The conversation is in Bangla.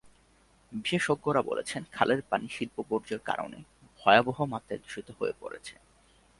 বিশেষজ্ঞরা বলেছেন, খালের পানি শিল্পবর্জ্যের কারণে ভয়াবহ মাত্রায় দূষিত হয়ে পড়েছে।